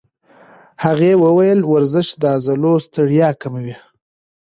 هغې وویل ورزش د عضلو ستړیا کموي.